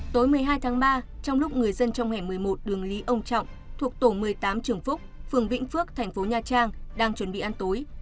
tối một mươi hai tháng ba trong lúc người dân trong hẻm một mươi một đường lý ông trọng thuộc tổ một mươi tám trường phúc phường vĩnh phước thành phố nha trang đang chuẩn bị ăn tối